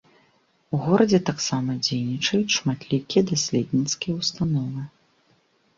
У горадзе таксама дзейнічаюць шматлікія даследніцкія ўстановы.